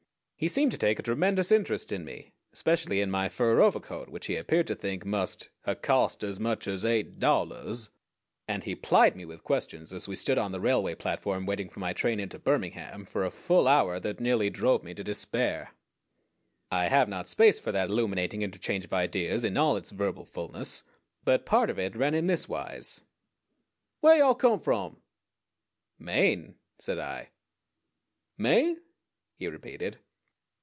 He seemed to take a tremendous interest in me, especially in my fur overcoat, which he appeared to think must "ha cost as much as eight dollahs," and he plied me with questions as we stood on the railway platform waiting for my train into Birmingham for a full hour that nearly drove me to despair. I have not space for that illuminating interchange of ideas in all its verbal fullness; but part of it ran in this wise: "Whar yo' come from?" "Maine," said I. "Maine?" he repeated.